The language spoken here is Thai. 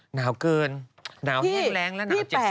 หนาวเกินหนาวแห้งแล้วหนาวเจ็บหัวมากเลย